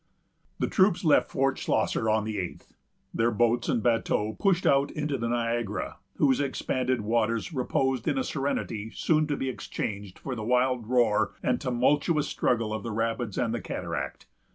The troops left Fort Schlosser on the eighth. Their boats and bateaux pushed out into the Niagara, whose expanded waters reposed in a serenity soon to be exchanged for the wild roar and tumultuous struggle of the rapids and the cataract.